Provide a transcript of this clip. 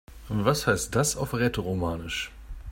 Was heißt das auf Rätoromanisch?